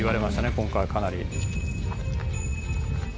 今回はかなり」